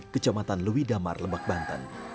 kecamatan lewi damar lembak banten